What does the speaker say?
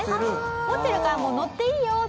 持ってるから乗っていいよっていう。